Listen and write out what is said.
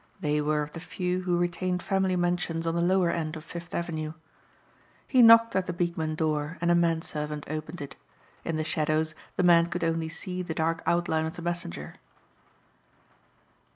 They were of the few who retained family mansions on the lower end of Fifth Avenue. He knocked at the Beekman door and a man servant opened it. In the shadows the man could only see the dark outline of the messenger.